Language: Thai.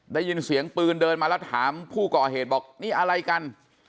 ได้ยินเสียงปืนเดินมาแล้วถามผู้ก่อเหตุบอกนี่อะไรกัน